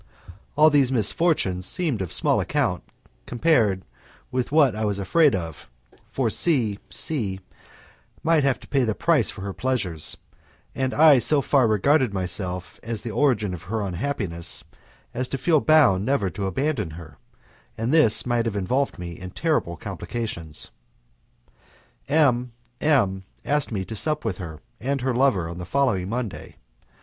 All these misfortunes seemed of small account compared with what I was afraid of, for C C might have to pay the price for her pleasures, and I so far regarded myself as the origin of her unhappiness as to feel bound never to abandon her, and this might have involved me in terrible complications. M M asked me to sup with her and her lover on the following Monday.